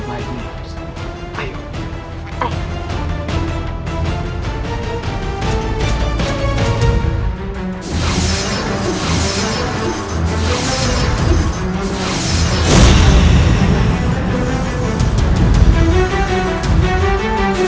aku akan menemukan lo